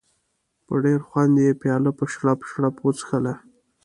په ډېر خوند یې پیاله په شړپ شړپ وڅښله.